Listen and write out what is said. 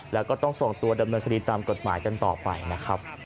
แล้วก็ต้องส่งตัวดำเนินคดีตามกฎหมายกันต่อไปนะครับ